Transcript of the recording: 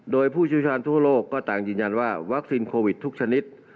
โดยผู้เชี่ยวชาญทั่วโลกก็ต่างยืนยันว่าวัคซีนโควิดทุกชนิด